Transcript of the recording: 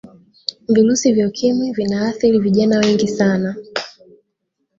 virusi vya ukimwi vinaathiri vijana wengi sana